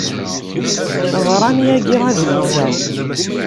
Ɣran yagi adlis-a.